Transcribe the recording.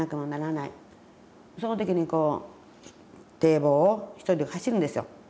その時にこう堤防を一人で走るんですよ。